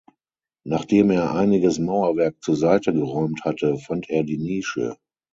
Nachdem er einiges Mauerwerk zur Seite geräumt hatte fand er die Nische.